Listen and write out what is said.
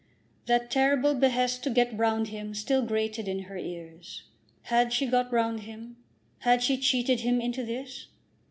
That terrible behest to "get round him" still grated on her ears. Had she got round him? Had she cheated him into this?